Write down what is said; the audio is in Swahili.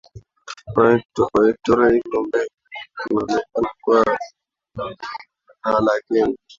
Kwa historia hizo mbili kunaonekana kuwa na walakini